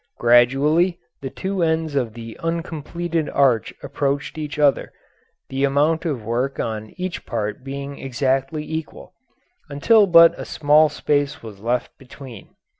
Gradually the two ends of the uncompleted arch approached each other, the amount of work on each part being exactly equal, until but a small space was left between.